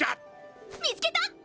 見つけた！